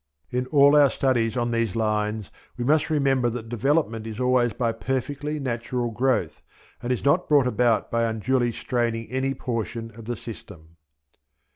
In all our studies on these lines we must remember that development is always by perfectly natural growth and is not brought about by unduly straining any portion of the system.